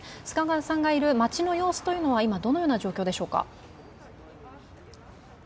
須賀川さんがいる街の様子は今どのような状況でしょうか？